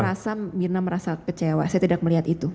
merasa mirna merasa kecewa saya tidak melihat itu